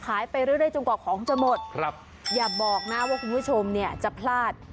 ไปเรื่อยจนกว่าของจะหมดครับอย่าบอกนะว่าคุณผู้ชมเนี่ยจะพลาด